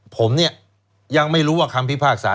ผมเนี่ยยังไม่รู้ว่าคำพิพากษา